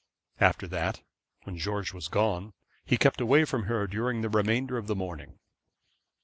After that, when George was gone, he kept away from her during the remainder of the morning.